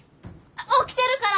起きてるから！